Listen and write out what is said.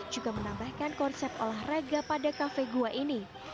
juga menambahkan konsep olahraga pada kafe gua ini